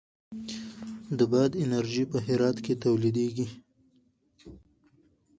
د باد انرژي په هرات کې تولیدیږي